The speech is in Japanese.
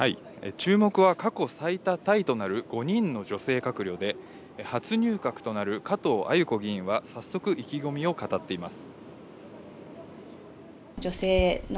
注目は過去最多タイとなる５人の女性閣僚で、初入閣となる加藤鮎子議員は早速、意気込みを語っています。